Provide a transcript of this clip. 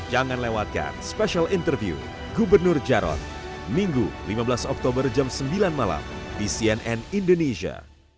jangan lewatkan special interview gubernur jarod minggu lima belas oktober jam sembilan malam di cnn indonesia